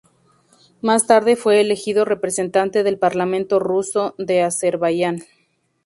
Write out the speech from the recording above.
Más tarde fue elegido representante del Parlamento Ruso de Azerbaiyán.